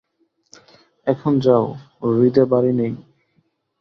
এখন যাও, হৃদে বাড়ি নেই।